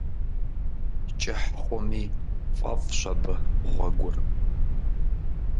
КӀыхь хъуми фӀэфӀщ абы гъуэгур.